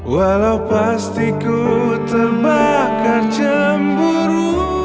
walau pasti ku terbakar cemburu